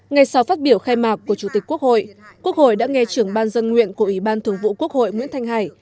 ngay sau phát biểu khai mạc của chủ tịch quốc hội quốc hội đã nghe trưởng ban dân nguyện của ủy ban thường vụ quốc hội nguyễn thanh hải